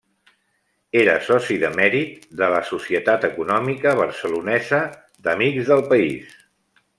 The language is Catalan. Era soci de mèrit de la Societat Econòmica Barcelonesa d'Amics del País.